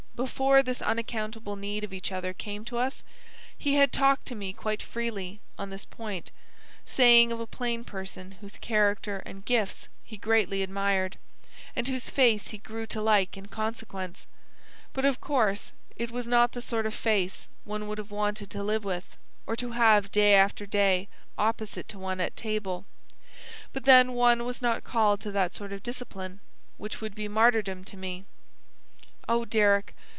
Before this unaccountable need of each other came to us he had talked to me quite freely on this point, saying of a plain person whose character and gifts he greatly admired, and whose face he grew to like in consequence: 'But of course it was not the sort of face one would have wanted to live with, or to have day after day opposite to one at table; but then one was not called to that sort of discipline, which would be martyrdom to me.' Oh, Deryck!